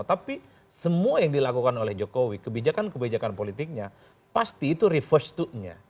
tapi semua yang dilakukan oleh jokowi kebijakan kebijakan politiknya pasti itu reverse to nya